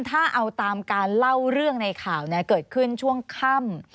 ถ้าเอาตามการเล่าเรื่องในข่าวเกิดขึ้นช่วงค่ำ